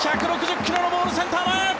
１６０ｋｍのボールセンター前！